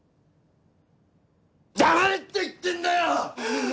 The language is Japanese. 黙れって言ってんだよ！